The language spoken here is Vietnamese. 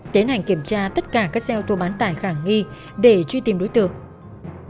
tiến hành kiểm tra tất cả các xe ô tô bán tải khả nghi để truy tìm đối tượng